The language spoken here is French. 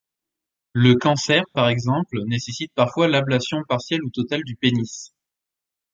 Le cancer, par exemple, nécessite parfois l'ablation partielle ou totale du pénis.